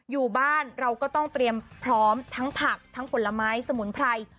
อยู่บ้านเราก็ต้องเตรียมพร้อมทั้งผักทั้งผลไม้สมุนไพร